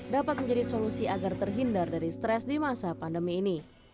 dapat menjadi solusi agar terhindar dari stres di masa pandemi ini